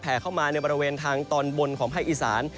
แผลเข้ามาในบริเวณทางตอนบนของไพร์อิสาน